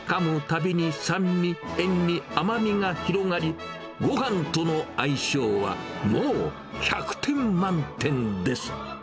たびに酸味、塩味、甘みが広がり、ごはんとの相性はもう１００点満点です。